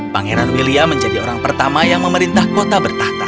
pangeran william menjadi orang pertama yang memerintah kota bertahta